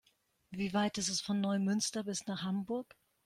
Wie weit ist es von Neumünster bis nach Hamburg?